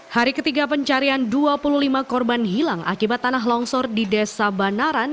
hari ketiga pencarian dua puluh lima korban hilang akibat tanah longsor di desa banaran